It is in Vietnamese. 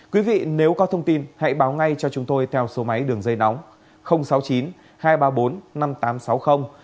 quý vị nếu có thông tin hãy báo ngay cho chúng tôi theo số máy đường dây nóng sáu mươi chín hai trăm ba mươi bốn năm nghìn tám trăm sáu mươi